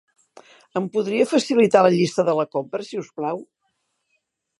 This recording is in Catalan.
Em podria facilitar la llista de la compra, si us plau?